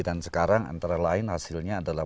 sekarang antara lain hasilnya adalah